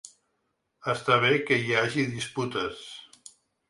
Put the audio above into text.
Està bé que hi hagi disputes.